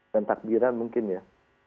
dan takbiran mungkin ya